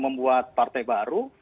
membuat partai baru